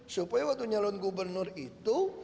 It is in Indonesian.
supaya waktu nyalon gubernur itu